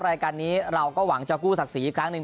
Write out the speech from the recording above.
รายการนี้เราก็หวังจะกู้ศักดิ์ศรีอีกครั้งหนึ่ง